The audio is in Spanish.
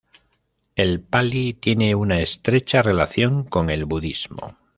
El pali tiene una estrecha relación con el Budismo.